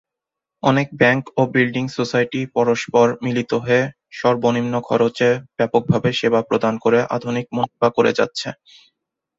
অনেক ব্যাংক ও building society পরস্পর মিলিত হয়ে সর্ব্ নিম্ন খরচে ব্যাপকভাবে সেবা প্রদান করে অধিক মুনাফা করে যাচ্ছে।